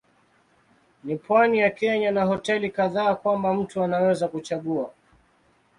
Ni pwani ya Kenya na hoteli kadhaa kwamba mtu anaweza kuchagua.